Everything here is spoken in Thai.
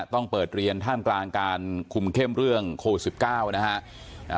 ต้องเปิดเรียนท่ามกลางการคุมเข้มเรื่องโควิด๑๙นะฮะ